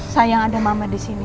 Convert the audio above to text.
sayang ada mama disini